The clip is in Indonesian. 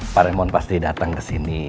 pak remon pasti datang kesini